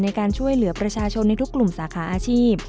ในการช่วยเหลือประชาชนในทุกกลุ่มสาขาอาชีพ